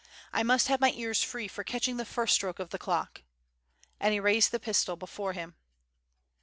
I must have my ears free for catching the first stroke of the clock." And he raised the pistol before him.